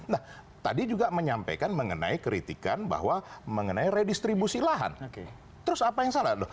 nah tadi juga menyampaikan mengenai kritikan bahwa mengenai redistribusi lahan terus apa yang salah